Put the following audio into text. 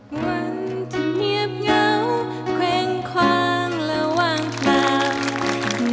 มันที่เงียบเหงาเข้งควางและว่างคลาว